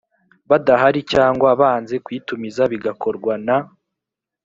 badahari cyangwa banze kuyitumiza bigakorwa na